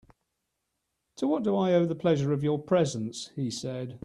"To what do I owe the pleasure of your presence," he said.